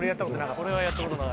これやったことない。